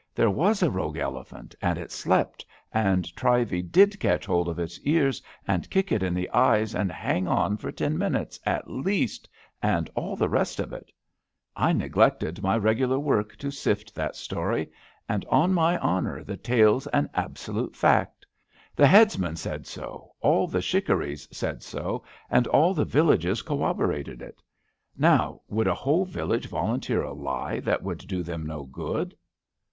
There was a rogue elephant, and it slept, and Trivey did catch hold of its ears and kick it in the eyes, and hang on for ten minutes, at least, and all the rest of it. I neglected my regular work to sift that story, and on my honour A FALLEN IDOL 83 the tale's an absolute fact. The headsman said SO; all the shikaries said so, and all the villages corroborated it. Now would a whole village volunteer a lie that would do them no good?